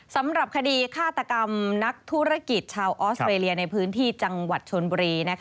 สำหรับคดีฆาตกรรมนักธุรกิจชาวออสเตรเลียในพื้นที่จังหวัดชนบุรี